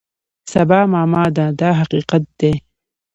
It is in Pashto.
سبا معما ده دا حقیقت دی.